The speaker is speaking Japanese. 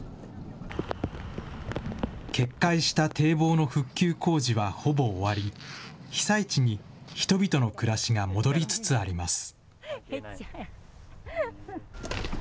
決壊した堤防の復旧工事はほぼ終わり、被災地に人々の暮らしが戻りつつあります。